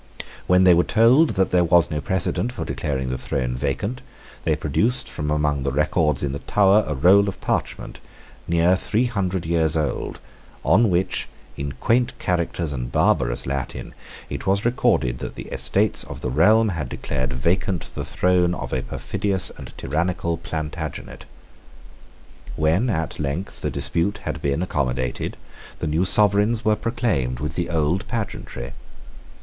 When they were told that there was no precedent for declaring the throne vacant, they produced from among the records in the Tower a roll of parchment, near three hundred years old, on which, in quaint characters and barbarous Latin, it was recorded that the Estates of the Realm had declared vacant the throne of a perfidious and tyrannical Plantagenet. When at length the dispute had been accommodated, the new sovereigns were proclaimed with the old pageantry.